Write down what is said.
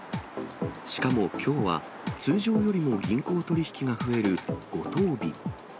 しかもきょうは、通常よりも銀行取り引きが増える五十日。